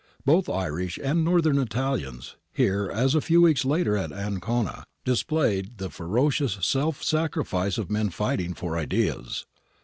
Both Irish and North Italians, here, as a few weeks later at Ancona, displayed the ferocious self sacrifice of men fighting for ideas.